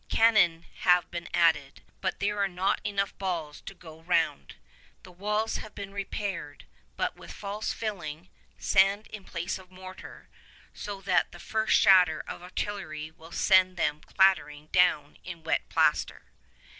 Cannon have been added, but there are not enough balls to go round. The walls have been repaired, but with false filling (sand in place of mortar), so that the first shatter of artillery will send them clattering down in wet plaster.